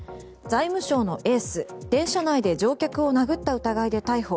財務省のエース、電車内で乗客を殴った疑いで逮捕。